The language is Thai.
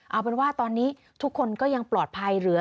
เอาเป็นว่าตอนนี้ทุกคนก็ยังปลอดภัยเหลือ